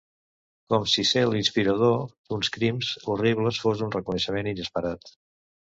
Com si ser l'inspirador d'uns crims horribles fos un reconeixement inesperat.